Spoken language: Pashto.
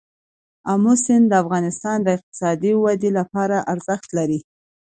آمو سیند د افغانستان د اقتصادي ودې لپاره ارزښت لري.